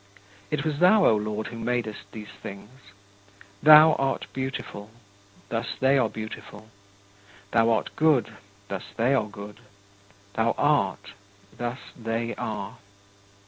It was thou, O Lord, who madest these things. Thou art beautiful; thus they are beautiful. Thou art good, thus they are good. Thou art; thus they are.